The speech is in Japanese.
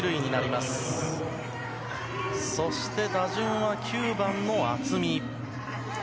そして、打順は９番の渥美。